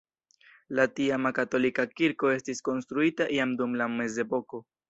La tiama katolika kirko estis konstruita iam dum la mezepoko.